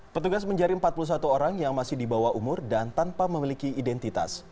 petugas menjaring empat puluh satu orang yang masih di bawah umur dan tanpa memiliki identitas